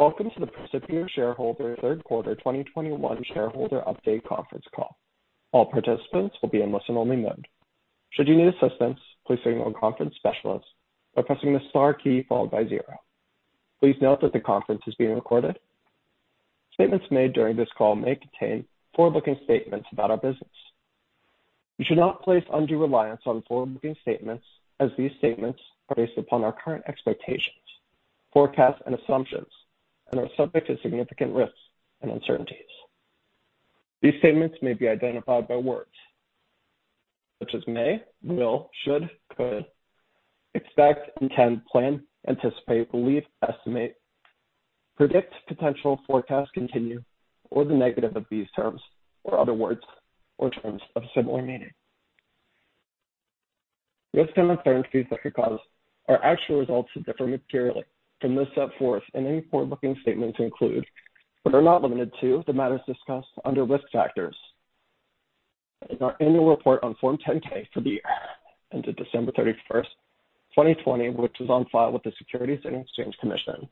Welcome to the Precipio Shareholder third quarter 2021 shareholder update conference call. All participants will be in listen-only mode. Should you need assistance, please signal a conference specialist by pressing the star key followed by zero. Please note that the conference is being recorded. Statements made during this call may contain forward-looking statements about our business. You should not place undue reliance on forward-looking statements as these statements are based upon our current expectations, forecasts, and assumptions and are subject to significant risks and uncertainties. These statements may be identified by words such as may, will, should, could, expect, intend, plan, anticipate, believe, estimate, predict, potential, forecast, continue, or the negative of these terms or other words or terms of similar meaning. Risks and uncertainties that could cause our actual results to differ materially from those set forth in any forward-looking statements include, but are not limited to, the matters discussed under Risk Factors in our annual report on Form 10-K for the year ended December 31, 2020, which is on file with the Securities and Exchange Commission,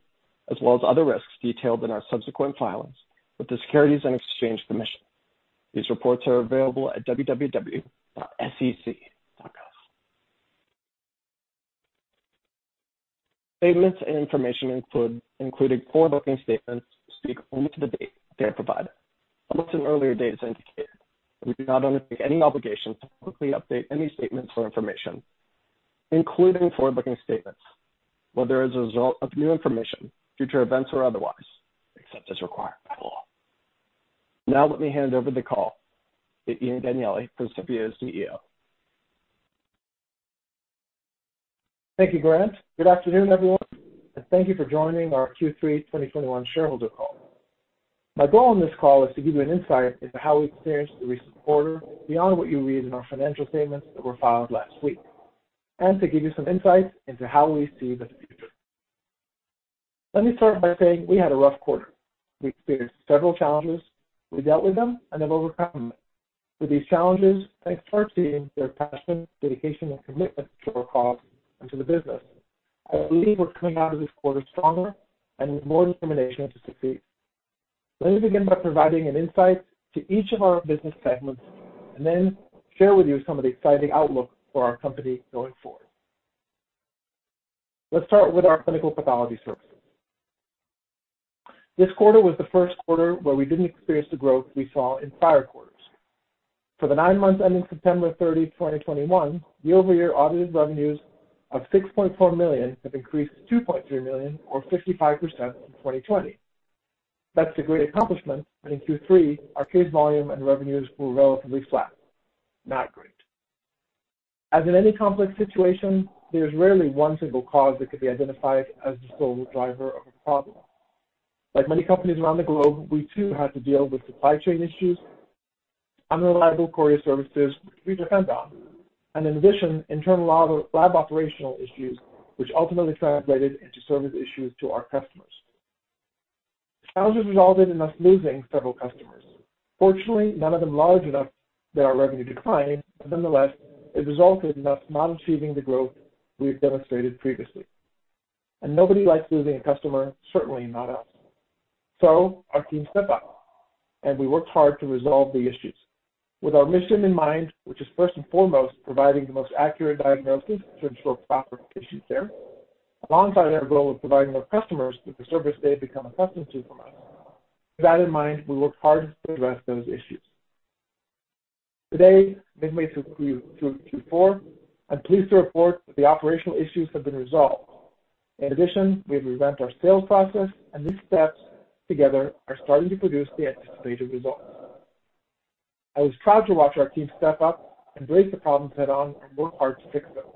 as well as other risks detailed in our subsequent filings with the Securities and Exchange Commission. These reports are available at www.sec.gov. Statements and information included, including forward-looking statements speak only to the date they are provided. Unless an earlier date is indicated, we do not undertake any obligation to publicly update any statements or information, including forward-looking statements, whether as a result of new information, future events or otherwise, except as required by law. Now let me hand over the call to Ilan Danieli, Precipio's CEO. Thank you, Grant. Good afternoon, everyone, and thank you for joining our Q3 2021 shareholder call. My goal on this call is to give you an insight into how we experienced the recent quarter beyond what you read in our financial statements that were filed last week, and to give you some insight into how we see the future. Let me start by saying we had a rough quarter. We experienced several challenges. We dealt with them and have overcome them. With these challenges, I started seeing their passion, dedication and commitment to our cause and to the business. I believe we're coming out of this quarter stronger and with more determination to succeed. Let me begin by providing an insight to each of our business segments and then share with you some of the exciting outlook for our company going forward. Let's start with our clinical pathology services. This quarter was the first quarter where we didn't experience the growth we saw in prior quarters. For the nine months ending September 30, 2021, the year-over-year audited revenues of $6.4 million have increased $2.3 million or 55% in 2020. That's a great accomplishment. In Q3 our case volume and revenues were relatively flat. Not great. As in any complex situation, there's rarely one single cause that could be identified as the sole driver of a problem. Like many companies around the globe, we too had to deal with supply chain issues, unreliable courier services we depend on, and in addition, internal lab operational issues which ultimately translated into service issues to our customers. Challenges resulted in us losing several customers. Fortunately, none of them large enough that our revenue declined, but nonetheless it resulted in us not achieving the growth we've demonstrated previously. Nobody likes losing a customer, certainly not us. Our team stepped up and we worked hard to resolve the issues with our mission in mind, which is first and foremost providing the most accurate diagnosis to ensure proper patient care, alongside our goal of providing our customers with the service they become accustomed to from us. With that in mind, we worked hard to address those issues. Today we've made it through Q4 and pleased to report that the operational issues have been resolved. In addition, we have revamped our sales process and these steps together are starting to produce the anticipated results. I was proud to watch our team step up, embrace the problems head-on and work hard to fix them.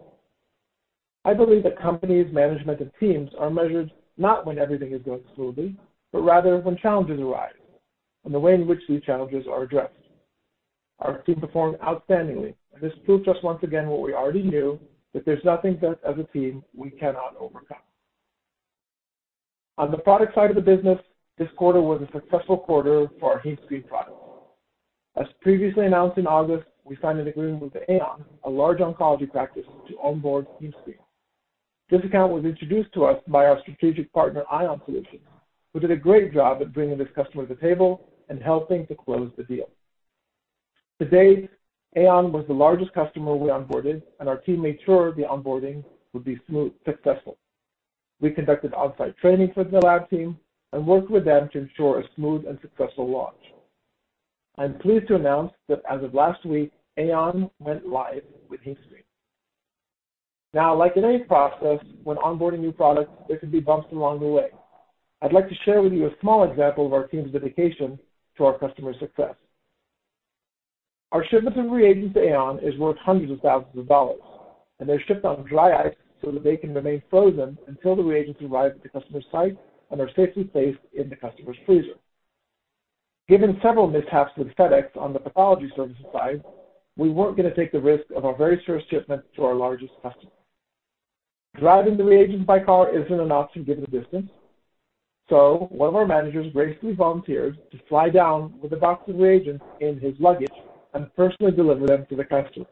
I believe that companies, management and teams are measured not when everything is going smoothly, but rather when challenges arise and the way in which these challenges are addressed. Our team performed outstandingly and this proved just once again what we already knew, that there's nothing that as a team we cannot overcome. On the product side of the business, this quarter was a successful quarter for our HemeScreen product. As previously announced in August, we signed an agreement with AON, a large oncology practice, to onboard HemeScreen. This account was introduced to us by our strategic partner, ION Solutions, who did a great job at bringing this customer to the table and helping to close the deal. To date, AON was the largest customer we onboarded and our team made sure the onboarding would be smooth, successful. We conducted on-site training for the lab team and worked with them to ensure a smooth and successful launch. I'm pleased to announce that as of last week, AON went live with HemeScreen. Now, like in any process when onboarding new products, there could be bumps along the way. I'd like to share with you a small example of our team's dedication to our customer success. Our shipment of reagents to AON is worth hundreds of thousands of dollars, and they're shipped on dry ice so that they can remain frozen until the reagents arrive at the customer site and are safely placed in the customer's freezer. Given several mishaps with FedEx on the Pathology Services side, we weren't going to take the risk of our very first shipment to our largest customer. Driving the reagent by car isn't an option given the distance. One of our managers bravely volunteered to fly down with a box of reagents in his luggage and personally deliver them to the customer.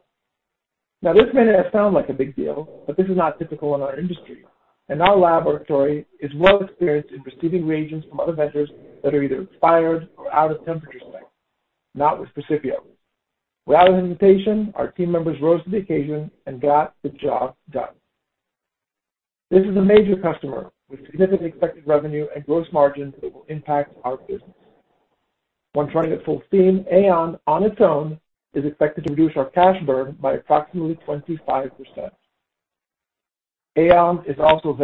Now, this may not sound like a big deal, but this is not typical in our industry, and our laboratory is well experienced in receiving reagents from other vendors that are either expired or out of temperature spec. Not with Precipio. Without an invitation, our team members rose to the occasion and got the job done. This is a major customer with significant expected revenue and gross margins that will impact our business. When trying to full steam, AON, on its own, is expected to reduce our cash burn by approximately 25%. AON is also a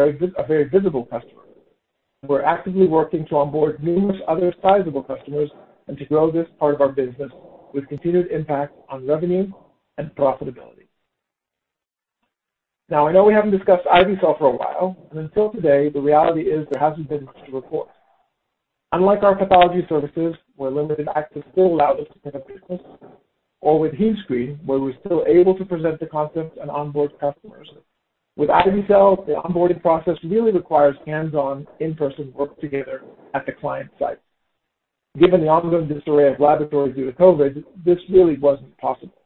very visible customer, and we're actively working to onboard numerous other sizable customers and to grow this part of our business with continued impact on revenue and profitability. Now, I know we haven't discussed IV-Cell for a while, and until today, the reality is there hasn't been much to report. Unlike our Pathology Services, where limited access still allowed us to do business, or with HemeScreen, where we're still able to present the concept and onboard customers. With IV-Cell, the onboarding process really requires hands-on in-person work together at the client site. Given the ongoing disarray of laboratories due to COVID, this really wasn't possible.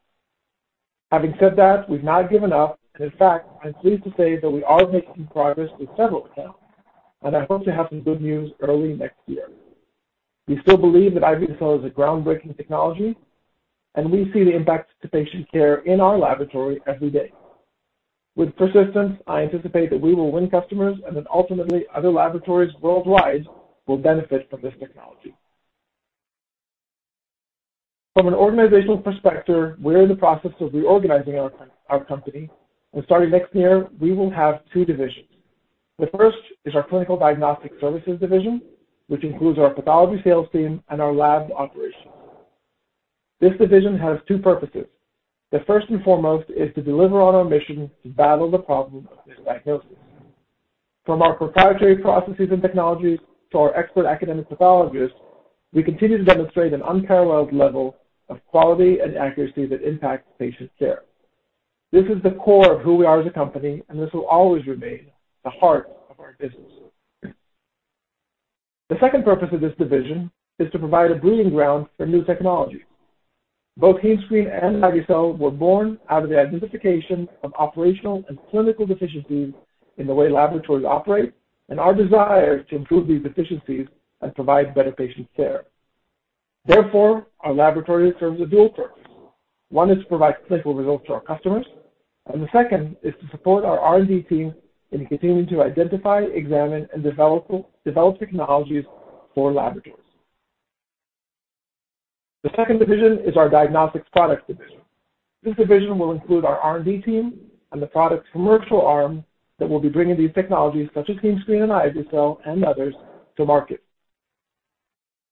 Having said that, we've not given up, and in fact, I'm pleased to say that we are making progress with several accounts, and I hope to have some good news early next year. We still believe that IV-Cell is a groundbreaking technology, and we see the impact to patient care in our laboratory every day. With persistence, I anticipate that we will win customers and that ultimately other laboratories worldwide will benefit from this technology. From an organizational perspective, we're in the process of reorganizing our company, and starting next year, we will have two divisions. The first is our Clinical Diagnostic Services division, which includes our pathology sales team and our lab operations. This division has two purposes. The first and foremost is to deliver on our mission to battle the problem of misdiagnosis. From our proprietary processes and technologies to our expert academic pathologists, we continue to demonstrate an unparalleled level of quality and accuracy that impacts patient care. This is the core of who we are as a company, and this will always remain the heart of our business. The second purpose of this division is to provide a breeding ground for new technology. Both HemeScreen and IV-Cell were born out of the identification of operational and clinical deficiencies in the way laboratories operate and our desire to improve these deficiencies and provide better patient care. Therefore, our laboratory serves a dual purpose. One is to provide clinical results to our customers, and the second is to support our R&D team in continuing to identify, examine, and develop technologies for laboratories. The second division is our Products Division. This division will include our R&D team and the product commercial arm that will be bringing these technologies, such as HemeScreen and IV-Cell and others, to market.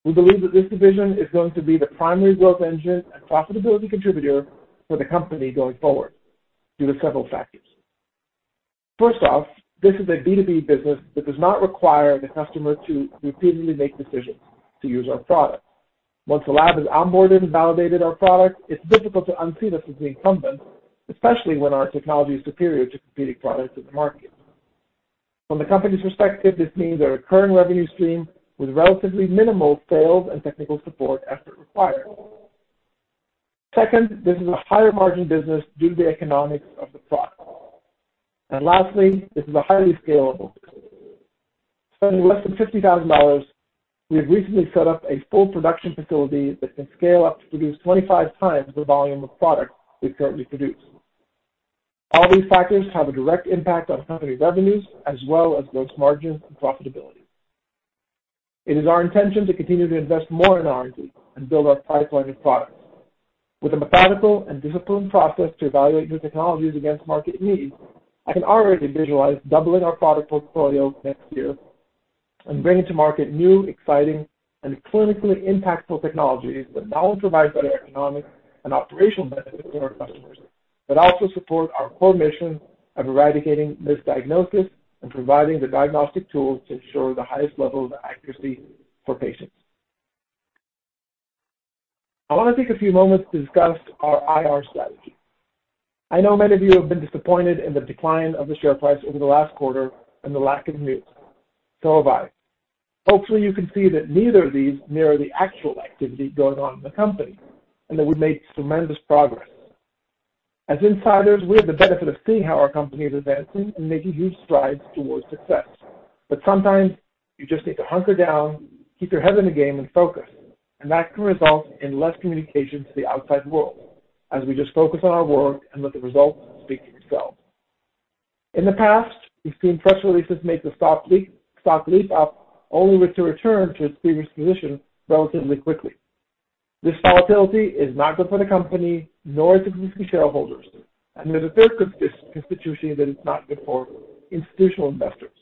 We believe that this division is going to be the primary growth engine and profitability contributor for the company going forward due to several factors. First off, this is a B2B business that does not require the customer to repeatedly make decisions to use our product. Once a lab has onboarded and validated our product, it's difficult to unsee this as the incumbent, especially when our technology is superior to competing products in the market. From the company's perspective, this means a recurring revenue stream with relatively minimal sales and technical support effort required. Second, this is a higher-margin business due to the economics of the product. Lastly, this is a highly scalable. Spending less than $50,000, we have recently set up a full production facility that can scale up to produce 25x the volume of product we currently produce. All these factors have a direct impact on company revenues as well as gross margin and profitability. It is our intention to continue to invest more in R&D and build our pipeline of products. With a methodical and disciplined process to evaluate new technologies against market needs, I can already visualize doubling our product portfolio next year and bringing to market new, exciting, and clinically impactful technologies that not only provide better economic and operational benefits for our customers, but also support our core mission of eradicating misdiagnosis and providing the diagnostic tools to ensure the highest level of accuracy for patients. I wanna take a few moments to discuss our IR strategy. I know many of you have been disappointed in the decline of the share price over the last quarter and the lack of news. Have I. Hopefully, you can see that neither of these mirror the actual activity going on in the company, and that we've made tremendous progress. As insiders, we have the benefit of seeing how our company is advancing and making huge strides towards success. But sometimes you just need to hunker down, keep your head in the game, and focus, and that can result in less communication to the outside world as we just focus on our work and let the results speak for themselves. In the past, we've seen press releases make the stock leap up, only to return to its previous position relatively quickly. This volatility is not good for the company, nor is it good for shareholders. There's a third constituency that is not good for institutional investors.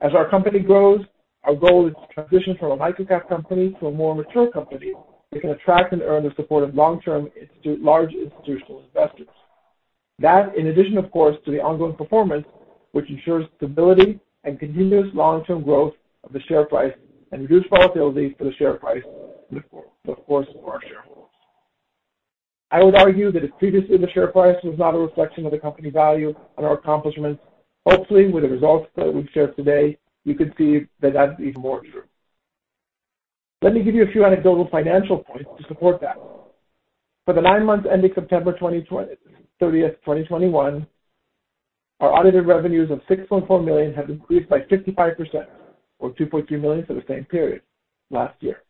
As our company grows, our goal is to transition from a microcap company to a more mature company that can attract and earn the support of long-term institutional investors. That, in addition, of course, to the ongoing performance, which ensures stability and continuous long-term growth of the share price and reduced volatility for the share price and, of course, for our shareholders. I would argue that if previously the share price was not a reflection of the company value and our accomplishments, hopefully with the results that we've shared today, you can see that that's even more true. Let me give you a few anecdotal financial points to support that. For the nine months ending September 30, 2021, our audited revenues of $6.4 million have increased by 55% or $2.3 million for the same period last year.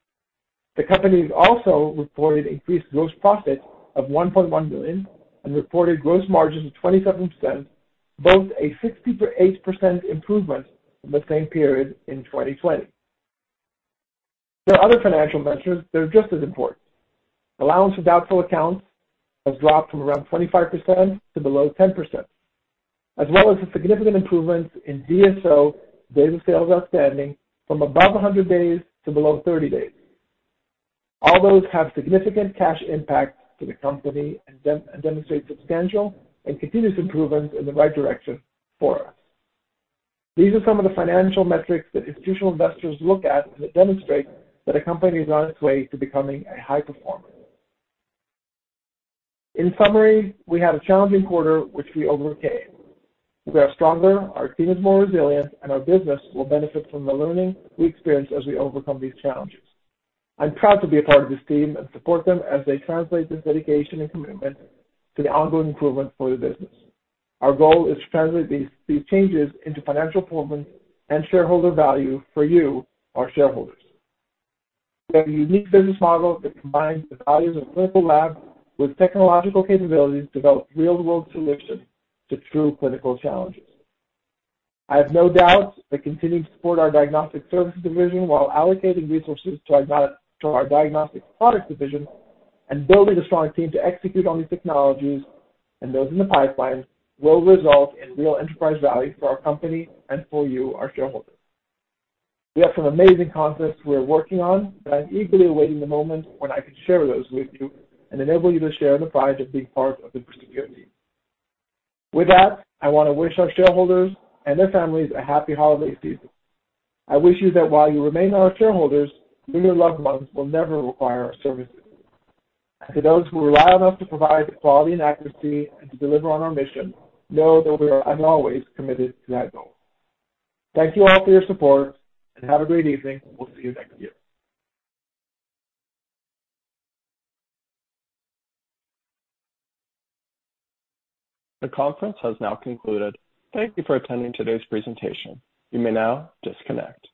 The company has also reported increased gross profit of $1.1 million and reported gross margins of 27%, both a 68% improvement from the same period in 2020. There are other financial measures that are just as important. Allowance for doubtful accounts has dropped from around 25% to below 10%, as well as a significant improvement in DSO, days of sales outstanding, from above 100 days to below 30 days. All those have significant cash impact to the company and demonstrate substantial and continuous improvements in the right direction for us. These are some of the financial metrics that institutional investors look at that demonstrate that a company is on its way to becoming a high performer. In summary, we had a challenging quarter which we overcame. We are stronger, our team is more resilient, and our business will benefit from the learning we experience as we overcome these challenges. I'm proud to be a part of this team and support them as they translate this dedication and commitment to the ongoing improvement for the business. Our goal is to translate these changes into financial performance and shareholder value for you, our shareholders. We have a unique business model that combines the values of a clinical lab with technological capabilities to develop real-world solutions to true clinical challenges. I have no doubt that continuing to support our diagnostic services division while allocating resources to our diagnostic product division and building a strong team to execute on these technologies and those in the pipeline will result in real enterprise value for our company and for you, our shareholders. We have some amazing concepts we are working on that I'm eagerly awaiting the moment when I can share those with you and enable you to share the pride of being part of the Precipio team. With that, I wanna wish our shareholders and their families a happy holiday season. I wish you that while you remain our shareholders, you and your loved ones will never require our services. To those who rely on us to provide the quality and accuracy and to deliver on our mission, know that we are and always committed to that goal. Thank you all for your support and have a great evening. We'll see you next year. The conference has now concluded. Thank you for attending today's presentation. You may now disconnect.